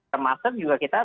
termasuk juga kita